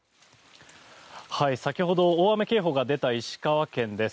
先ほど大雨警報が出た石川県です。